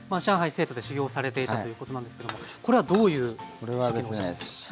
成都で修業されていたということなんですけどもこれはどういう時期のお写真ですか？